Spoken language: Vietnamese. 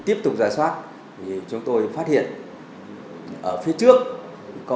tiếp tục giải soát thì chúng tôi phát hiện ở phía trước có